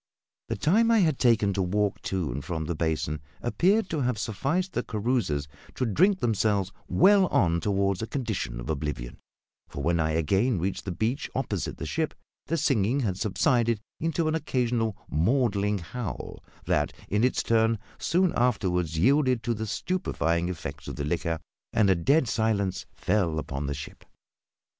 The time I had taken to walk to and from the basin appeared to have sufficed the carousers to drink themselves well on toward a condition of oblivion; for when I again reached the beach opposite the ship, the singing had subsided into an occasional maudlin howl that, in its turn, soon afterwards yielded to the stupefying effects of the liquor, and a dead silence fell upon the ship.